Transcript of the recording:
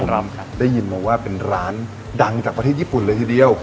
พร้อมครับได้ยินมาว่าเป็นร้านดังจากประเทศญี่ปุ่นเลยทีเดียว